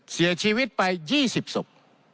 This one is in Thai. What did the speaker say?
เสียชีวิตไป๒๐ศพ